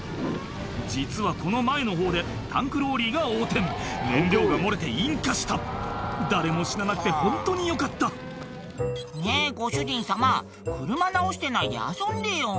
実はこの前のほうでタンクローリーが横転燃料が漏れて引火した誰も死ななくてホントによかった「ねぇご主人様車直してないで遊んでよ」